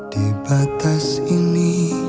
di batas ini